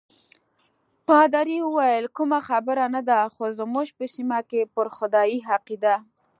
پادري وویل: کومه خبره نه ده، خو زموږ په سیمه کې پر خدای عقیده.